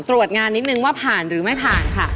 ตรวจงานนิดนึงว่าผ่านหรือไม่ผ่านค่ะ